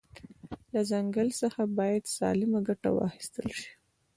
له ځنګل ځخه باید سالمه ګټه واخیستل شي